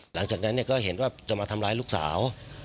หลังจากนั้นก็เห็นว่าจะมาทำร้ายลูกสาว